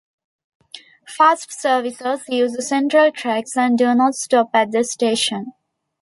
Fast services use the central tracks and do not stop at the station.